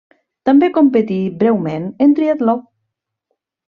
També competí -breument- en triatló.